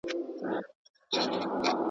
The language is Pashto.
ړانده فال بین مي په تندي کي لمر کتلی نه دی !.